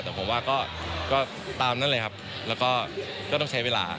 แต่ผมว่าก็ตามนั้นเลยครับแล้วก็ก็ต้องใช้เวลา